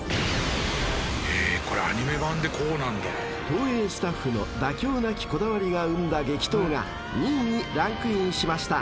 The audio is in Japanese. ［東映スタッフの妥協なきこだわりが生んだ激闘が２位にランクインしました］